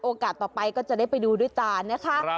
ต่อไปก็จะได้ไปดูด้วยตานะคะ